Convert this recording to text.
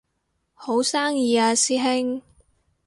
好生意啊師兄